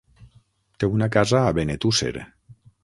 Té una casa a Benetússer.